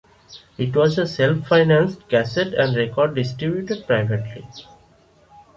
It was a self-financed cassette and record distributed privately.